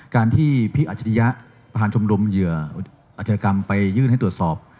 การที่พิอาชทยฯผ่านชมดมเหยื่ออาชากรรมไปยื่นให้ตรวจสอบ